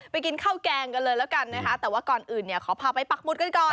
กินข้าวแกงกันเลยแล้วกันนะคะแต่ว่าก่อนอื่นเนี่ยขอพาไปปักหมุดกันก่อน